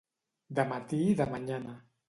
De matí de manyana.